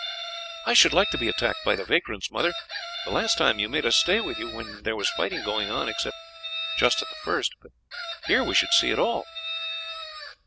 "I should like to be attacked by the vagrants, mother. The last time you made us stay with you when there was fighting going on, except just at the first, but here we should see it all."